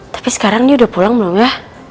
tapi sekarang ini udah pulang belum ya